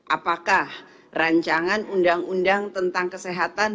apakah rancangan undang undang tentang kesehatan